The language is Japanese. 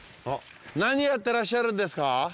あっ何やってらっしゃるんですか？